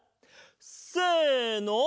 せの。